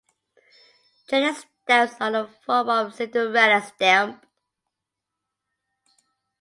Training stamps are a form of cinderella stamp.